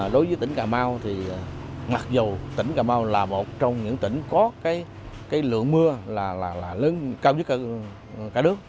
đối với tỉnh cà mau thì mặc dù tỉnh cà mau là một trong những tỉnh có lượng mưa là lớn cao nhất cả nước